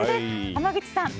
濱口さん